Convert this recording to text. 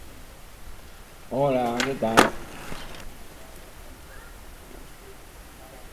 Su padre era un campesino que poseía una finca, una tienda-bar y una panadería.